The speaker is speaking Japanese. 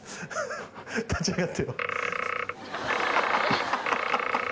立ち上がってよ